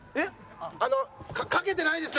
あのかけてないです。